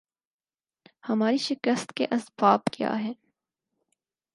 ہماری شکست کے اسباب کیا ہیں